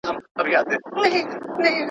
ملي شورا بهرنی پور نه اخلي.